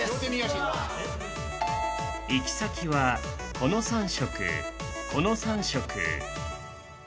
行き先はこの３色この３色。